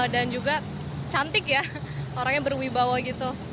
dan juga cantik ya orangnya berwibawa gitu